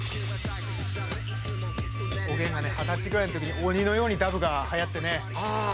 おげんが、二十歳ぐらいのとき鬼のようにダブがはやってね。